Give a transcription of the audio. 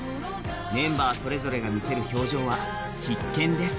メンバーそれぞれが見せる表情は必見です。